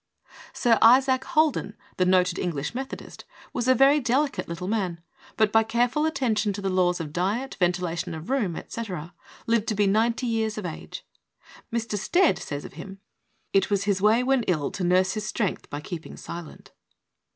Sir Isaac Holden, the noted English Methodist, was a very delicate little man, but by careful attention to the laws of diet, ventilation of room, etc., lived to be ninety years of age. Mr. Stead says of him: "It was his way when ill to nurse his strength by keeping silent."